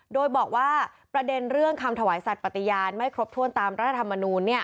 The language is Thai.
โดยบอกว่าประเด็นเรื่องคำถวายสัตว์ปฏิญาณไม่ครบถ้วนตามรัฐธรรมนูล